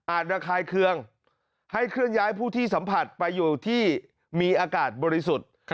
ระคายเคืองให้เคลื่อนย้ายผู้ที่สัมผัสไปอยู่ที่มีอากาศบริสุทธิ์